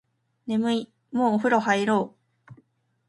眠いもうお風呂入ろう